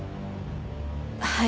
はい。